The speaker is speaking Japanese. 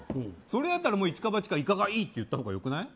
それやったらもうイチかバチか「イカがいい」って言った方がよくない？